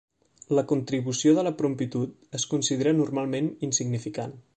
La contribució de la promptitud es considera normalment insignificant.